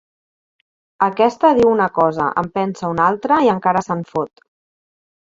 Aquesta diu una cosa, en pensa una altra i encara se'n fot.